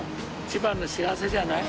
一番の幸せじゃない？